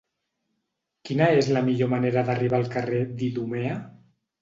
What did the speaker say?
Quina és la millor manera d'arribar al carrer d'Idumea?